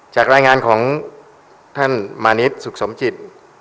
จากรายงานของท่านมานิดสุขสมจิต